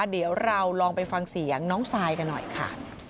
เดี๋ยวเราลองไปฟังเสียงน้องซายกันหน่อยค่ะ